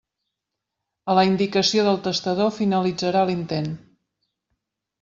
A la indicació del testador finalitzarà l'intent.